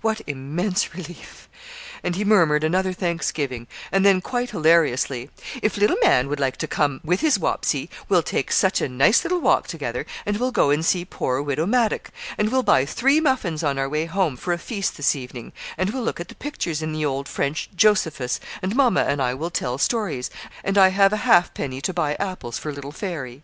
'What immense relief;' and he murmured another thanksgiving, and then quite hilariously 'If little man would like to come with his Wapsie, we'll take such a nice little walk together, and we'll go and see poor Widow Maddock; and we'll buy three muffins on our way home, for a feast this evening; and we'll look at the pictures in the old French "Josephus;" and Mamma and I will tell stories; and I have a halfpenny to buy apples for little Fairy.'